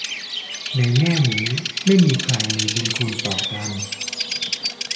ในแง่นี้ไม่มีใครมี "บุญคุณ" ต่อกัน